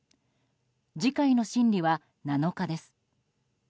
次回の審理は７日です。